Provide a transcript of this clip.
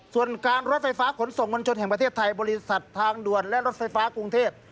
ส่วนการรถไฟฟ้าขนส่งมวลชนแห่งประเทศไทยบริษัททางด่วนและรถไฟฟ้ากรุงเทพ